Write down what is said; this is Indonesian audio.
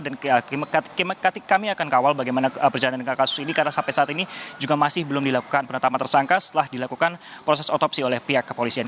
dan kami akan kawal bagaimana perjalanan dengan kasus ini karena sampai saat ini juga masih belum dilakukan penetapan tersangka setelah dilakukan proses otopsi oleh pihak kepolisian